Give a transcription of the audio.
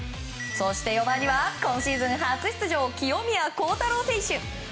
そして４番には今シーズン初出場清宮幸太郎選手。